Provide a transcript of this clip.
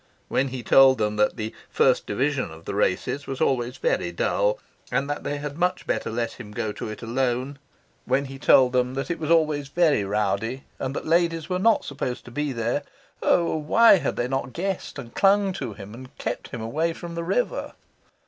When he told them that the "First Division" of the races was always very dull, and that they had much better let him go to it alone, when he told them that it was always very rowdy, and that ladies were not supposed to be there oh, why had they not guessed and clung to him, and kept him away from the river?